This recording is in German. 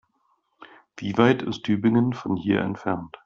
Wie weit ist Tübingen von hier entfernt?